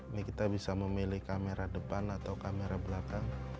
ini kita bisa memilih kamera depan atau kamera belakang